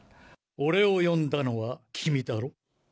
俺を呼んだのは君だろ？